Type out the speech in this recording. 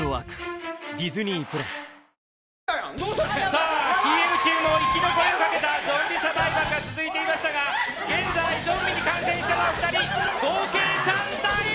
さあ、ＣＭ中も生き残りをかけたゾンビサバイバルが続いていましたが現在、ゾンビに感染したのは２人合計３体。